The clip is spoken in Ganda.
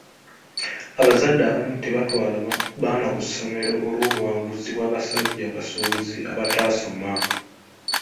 Abazadde abamu tebatwala baana ku ssomero olw'obuwanguzi bw'abasajja abasuubuzi abataasoma.